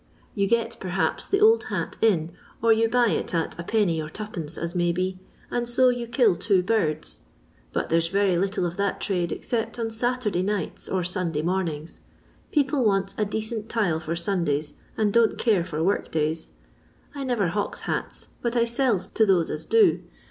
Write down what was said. You get, perhaps, the old hat in, or you buy it at Id. or 2d. as may be, and so you kill two birds. But there 's very little of that trade except on Saturday nights or Sunday mornings. People wants a decent tile for Sundays and don't care for work days. I never hawks hats, but I sells to those as do.